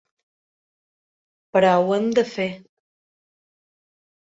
Però ho hem de fer.